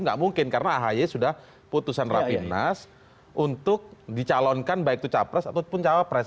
nggak mungkin karena ahy sudah putusan rapimnas untuk dicalonkan baik itu capres ataupun cawapres